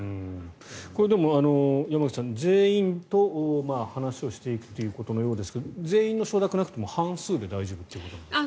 これ、山口さん全員と話をしていくということのようですが全員の承諾がなくても、半数で大丈夫ということなんですか？